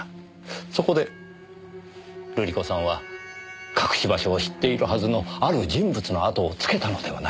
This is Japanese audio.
そこで瑠璃子さんは隠し場所を知っているはずのある人物のあとをつけたのではないでしょうか。